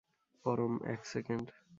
পরম, এক সেকেন্ড!